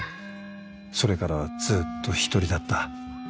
それからはずっと１人だった